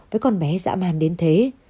với con bé dạ màn đến thế